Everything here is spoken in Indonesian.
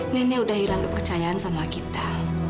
nenek udah hilang kepercayaan sama kita